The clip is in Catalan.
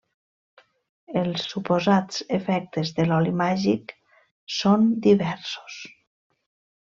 Els suposats efectes de l'oli màgic són diversos.